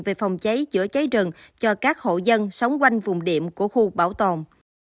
về phòng cháy chữa cháy rừng cho các hộ dân sống quanh vùng điểm của khu bảo tồn